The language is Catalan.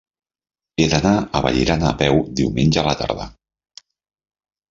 He d'anar a Vallirana a peu diumenge a la tarda.